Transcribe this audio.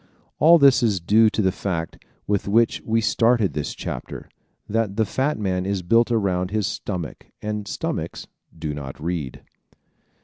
All this is due to the fact with which we started this chapter that the fat man is built around his stomach and stomachs do not read!